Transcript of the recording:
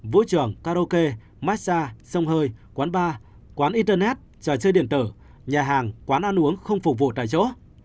vũ trường karaoke massage sông hơi quán bar quán internet trò chơi điện tử nhà hàng quán ăn uống không phục vụ tại chỗ